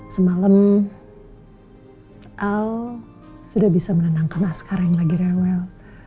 semalam al sudah bisa menenangkan masker yang lagi rewel